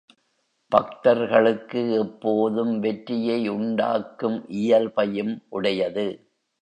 பக்தர்களுக்கு எப்போதும் வெற்றியை உண்டாக்கும் இயல்பையும் உடையது.